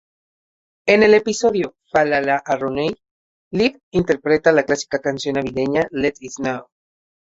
En el episodio, "Fa-La-La-a-Rooney", Liv interpreta la clásica canción navideña "Let It Snow!